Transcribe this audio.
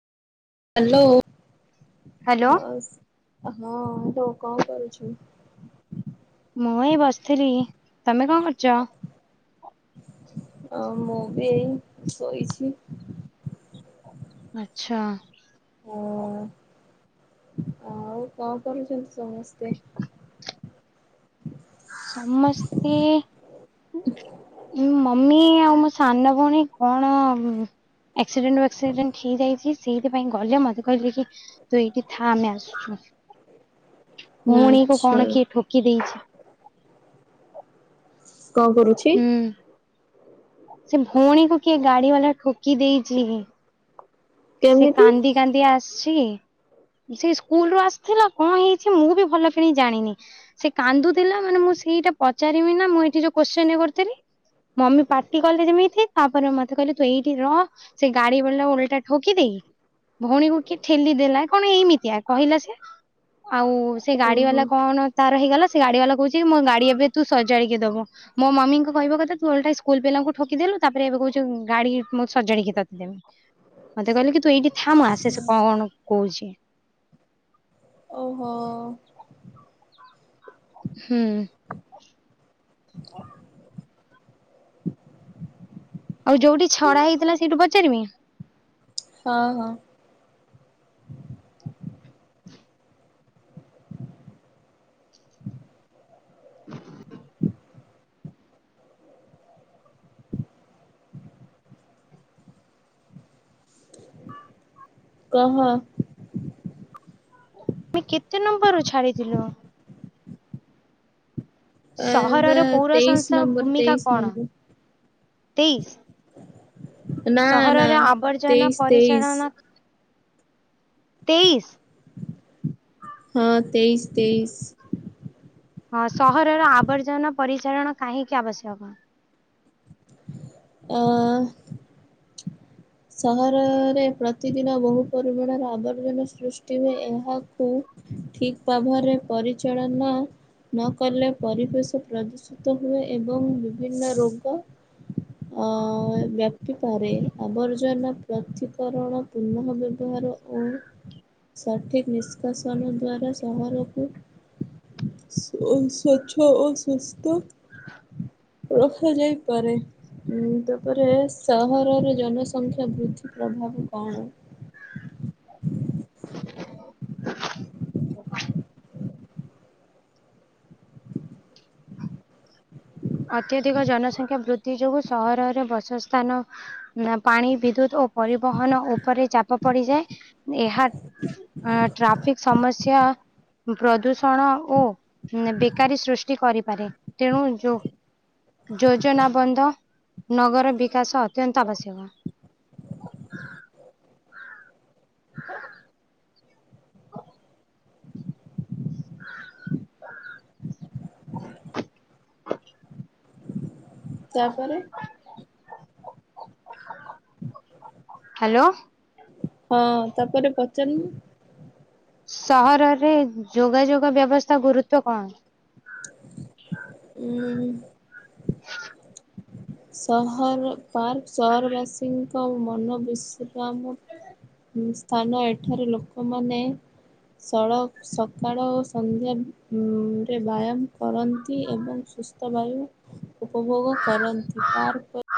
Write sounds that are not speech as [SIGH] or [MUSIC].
Hello. Hello. ମୁଁ ଏଇ ବସିଥିଲି। ତମେ କଣ କରୁଚ? ଆଉ ମୁଁ ବି ଏଇ ଶୋଇଛି। ଆଚ୍ଛା। ହଁ ଆଉ କଁ କରୁଛନ୍ତି ସମସ୍ତେ? ସମସ୍ତେ ଉଁ ଉଁ ମମି ଆଉ ମୋ ସାନ ଭଉଣୀ କଣ ଉଁ ଆକ୍ସିଡେଣ୍ଟ ୱାକ୍ସିଡେଣ୍ଟ ହେଇଯାଇଚି ସେଇଥିପାଇଁ ଗଲେ ମତେ କହିଲେ କି ତୁ ଏଇଠି ଥା ଆମେ ଆସ୍‌ଚୁ। ହ ଭୋଉଣୀକୁ କଣ କିଏ ଠୋକି ଦେଇଛି? କଁ କରୁଛି? ହୁଁ। ସେ ଭଉଣୀକୁ କିଏ ଗାଡି ବାଲା ଠୋକି ଦେଇଚି ସେ କେମିତି କାନ୍ଦି କାନ୍ଦି ଆସ୍‌ଛି। ସେଇ ସ୍କୁଲ ରୁ ଆସ୍‌ଥିଲା କଁ ହେଇଛି ମୁଁ ବି ଭଲକିରି ଜାଣିନି। ସେ କାନ୍ଦୁଥିଲା ମାନେ ମୁଁ ସେଇଟା ପଚାରିମି ନା ମୁଁ ଏଇଠି ଯୋଉ କୋଶ୍ଚିନି କରୁଥିଲି ମମି ପା ଟି କଲେ ଯେମିତି ତାପରେ ମତେ କହିଲେ ତୁ ଏଇଠି ରହ ସେ ଗାଡି ବାଲା ଓଲଟା ଠୋକି ଦେଇ ଭଉଣୀକୁ କିଏ ଠେଲି ଦେଲା କଣ ଏଇମିତିଆ କହିଲା ସିଏ। ଆଉ ସେ ଗାଡି ଓହୋ। ବାଲା କଣ ତାର ହେଇଗଲା ସେ ଗାଡି ବାଲା କହୁଛି କି ମୋ ଗାଡି ଏବେ ତୁ ସଜାଡିକି ଦବୁ ମୋ ମମିଙ୍କ କହିବା କଥା ତୁ ଓଲଟା ସ୍କୁଲ ପିଲାଙ୍କୁ ଠୋକିଦଲୁ ତାପରେ ଏବେ କହୁଚୁ ଗାଡି ମୁ ସଜାଡିକି ତତେ ଦେମି। ମତେ କହିଲେ କି ତୁ ଏଇଠି ଥା ମୁଁ ଆସେ ସେ କଣ କହୁଚି? ଓହୋ। ହୁଁ। ଆଉ ଯୋଉଟି ଛଡା ହେଇଥିଲା ସେଇଠୁ ପଚାରିମି? ହଁ ହଁ। ହଁ କହ। ମେ କେତେ ନମ୍ବରରୁୁ ଛାଡିଥିଲୁ? ଏବେ ସହରର ପୌର ତେଇଶ ସଂସ୍ଥା ନମ୍ବର ଭୂମିକା ତେଇଶ କଣ? ନମ୍ବର ତେଇଶ। ନା ନା ସହରର ଆବର୍ଜନା ତେଇଶ ତେଇଶ। ପରିଚାଳନା ତେଇଶ। ହଁ ତେଇଶି ତେଇଶ। ହଁ ସହରର ଆବର୍ଜନା ପରିଚାଳନା କାହିଁକି ଆବଶ୍ୟକ? ଅଁ। ସହରରେ ପ୍ରତିଦିନ ବହୁ ପରିମାଣର ଆବର୍ଜନା ସୃଷ୍ଟି ହୁଏ ଏହାକୁ ଠିକ ପାଭାର୍ ରେ ପରିଚାଳନା ନକଲେ ପରିବେଶ ପ୍ରଦୂଷିତ ହୁଏ ଏବଂ ବିଭିନ୍ନ ରୋଗ ଅ ବ୍ୟାପିପାରେ ଆବର୍ ଜନ ପ୍ରଥିକରଣ ପୁନଃ ବ୍ୟବହାର ଓ ସଠିକ୍ ନିଷ୍କାସନ ଦ୍ୱାରା ସହରକୁ ସ୍ବ ସ୍ୱଚ୍ଛ ଓ ସୁସ୍ଥ ହଁ [INAUDIBLE] ରଖାଯାଇପାରେ ଉଁ ତାପରେ ସହରର ଜନ ସଂଖ୍ୟା ବୃଦ୍ଧି ପ୍ରଭାବ କଣ? ଆତ୍ୟଧିକ ଜନସଂଖ୍ୟା ବୃଦ୍ଧି ଯୋଗୁଁ ସହରର ବସସ୍ଥାନ ନା ପାଣି ବିଦ୍ୟୁତ୍‌ ଓ ପରିବହନ ଉପରେ ଚାପ ପଡିଯାଏ ଏହା ଏଁ ଟ୍ରାଫିକ ସମସ୍ୟା ପ୍ରଦୂଷଣକୁ ବେକାରୀ ସୃଷ୍ଟି କରିପାରେ। ତେଣୁ ଯୋଉ ଯୋଜନା ବନ୍ଧ, ନଗର ବିକାଶ ଅତ୍ୟନ୍ତ ଆବଶ୍ୟକ। [INAUDIBLE] ତାପରେ ହାଲୋ। ହଁ ତାପରେ ପଚାରୁନ। ସହରରେ ଯୋଗାଯୋଗ ବ୍ୟବସ୍ଥା ଗୁରୁତ୍ୱ କଣ? [UNINTELLIGIBLE] ସହର ପାର୍କ, ସହରବାସୀଙ୍କ ମନ ବିଶ୍ରାମ ସ୍ଥାନ ଏଠାରେ ଲୋକମାନେ ସଳକ ସକାଳ ଓ ସନ୍ଧ୍ୟା ରେ ବ୍ୟାୟାମ କରନ୍ତି। ଏବଂ ସୁସ୍ଥ ବାୟୁ ଉପଭୋଗ କରନ୍ତି। ପାର୍କ